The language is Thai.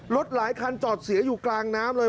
หลายคันจอดเสียอยู่กลางน้ำเลย